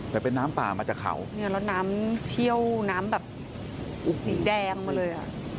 แต่เป็นน้ำป่ามาจากเขาเนี่ยแล้วน้ำเชี่ยวน้ำแบบสีแดงมาเลยอ่ะ